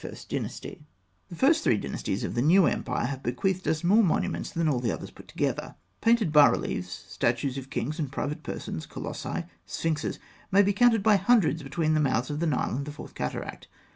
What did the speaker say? ] [Illustration: Fig. 199. Head of a Queen, Eighteenth Dynasty.] The first three dynasties of the New Empire have bequeathed us more monuments than all the others put together. Painted bas reliefs, statues of kings and private persons, colossi, sphinxes, may be counted by hundreds between the mouths of the Nile and the fourth cataract.